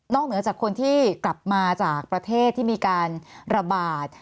เหนือจากคนที่กลับมาจากประเทศที่มีการระบาด